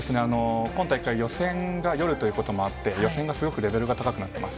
今大会、予選が夜ということもあって、予選がすごくレベルが高くなってます。